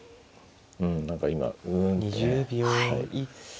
うん何か今「うん」ってね。